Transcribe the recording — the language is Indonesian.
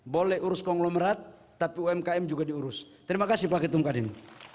boleh urus konglomerat tapi umkm juga diurus terima kasih pak ketum kadin